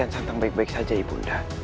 kian santan baik baik saja ibu unda